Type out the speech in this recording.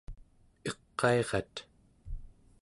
iqairat